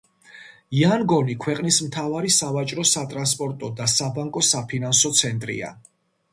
იანგონი ქვეყნის მთავარი სავაჭრო-სატრანსპორტო და საბანკო-საფინანსო ცენტრია.